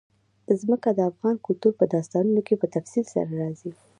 ځمکه د افغان کلتور په داستانونو کې په تفصیل سره راځي.